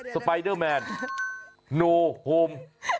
ไปเดอร์แมนโนโฮม